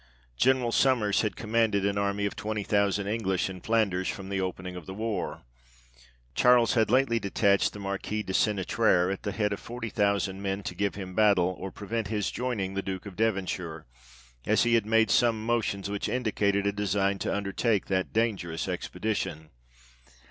General Sommers had commanded an army of twenty thousand English in Flanders, from the opening of the war; Charles had lately detached the Marquis de Senetraire, at the head of forty thousand men, to give him battle, or prevent his joining the Duke of Devon shire, as he had made some motions which indicated a design to undertake that dangerous expedition.